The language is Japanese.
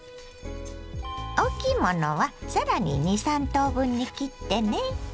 大きいものは更に２３等分に切ってね。